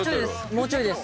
もうちょいです。